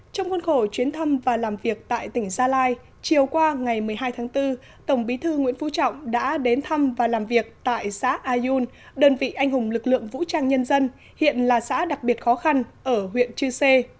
trong khuôn khổ chuyến thăm và làm việc tại tỉnh gia lai chiều qua ngày một mươi hai tháng bốn tổng bí thư nguyễn phú trọng đã đến thăm và làm việc tại xã ayun đơn vị anh hùng lực lượng vũ trang nhân dân hiện là xã đặc biệt khó khăn ở huyện chư sê